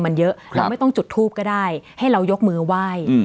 มันเยอะเราไม่ต้องจุดทูปก็ได้ให้เรายกมือไหว้